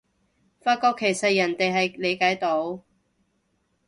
發覺其實人哋係理解到